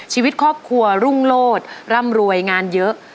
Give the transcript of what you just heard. ชีวิตครอบครัวรุ่งโลศร่ำรวยงานเยอะ